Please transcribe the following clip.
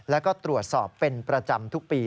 แล้วก็ตรวจสอบเป็นประจำทุกปี